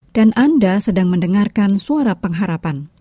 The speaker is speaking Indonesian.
dan anda sedang mendengarkan suara pengharapan